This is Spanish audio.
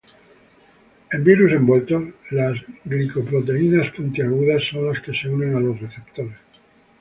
En virus envueltos, las glicoproteínas puntiagudas son las que se unen a los receptores.